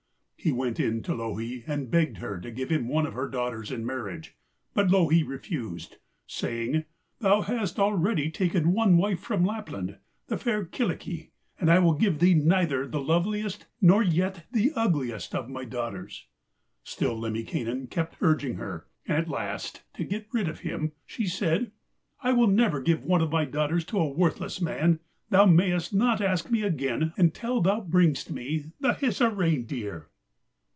He went in to Louhi and begged her to give him one of her daughters in marriage, but Louhi refused, saying: 'Thou hast already taken one wife from Lapland, the fair Kyllikki, and I will give thee neither the loveliest nor yet the ugliest of my daughters.' Still Lemminkainen kept urging her, and at last, to get rid of him, she said: 'I will never give one of my daughters to a worthless man. Thou mayst not ask me again until thou bringest me the Hisi reindeer.'